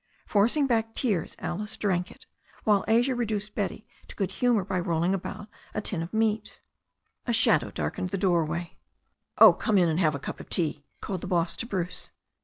Forcing back tears, Alice drank it, while Asia reduced Betty to good humour by rolling about a tin of meat A shadow darkened the doorway. "Oh, come and have a cup of tea," called the boss to Bruce.